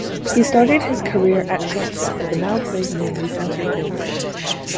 He started his career at shortstop but now plays mainly center fielder.